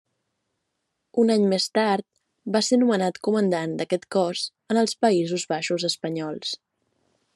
Un any més tard, va ser nomenat comandant d'aquest cos en els Països Baixos Espanyols.